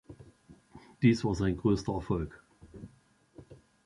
Dies war sein größter Erfolg.